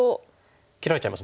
切られちゃいますもんね。